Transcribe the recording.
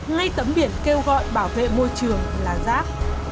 ngay tấm biển kêu gọi bảo vệ môi trường là rác